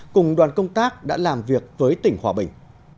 cùng đoàn công tác đã làm việc với tỉnh hòa bình